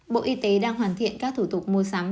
bộ y tế đang hoàn thiện các thủ tục mua sắm